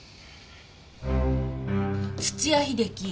土屋秀樹。